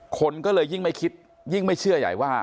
คนก็เลยยิ่งไม่คิดยิ่งไม่เชื่อใหญ่ว่า